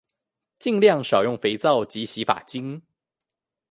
儘量少用肥皂及洗髮精